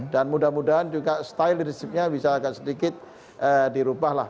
dan mudah mudahan juga style leadershipnya bisa agak sedikit dirubahlah